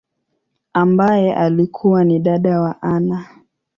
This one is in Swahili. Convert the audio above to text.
ambaye alikua ni dada wa Anna.